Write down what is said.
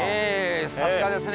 さすがですね！